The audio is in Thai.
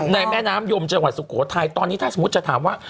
แม่น้ำยมจังหวัดสุโขทัยตอนนี้ถ้าสมมุติจะถามว่า